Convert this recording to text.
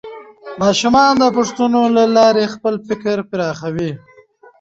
ماشومان د پوښتنو له لارې خپل فکر پراخوي